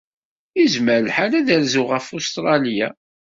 Yezmer lḥal ad rzuɣ ɣef Ustṛalya.